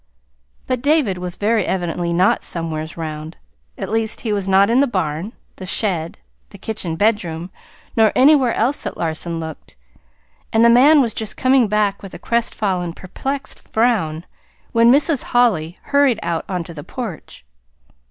But David was very evidently not "somewheres 'round." At least he was not in the barn, the shed, the kitchen bedroom, nor anywhere else that Larson looked; and the man was just coming back with a crestfallen, perplexed frown, when Mrs. Holly hurried out on to the porch.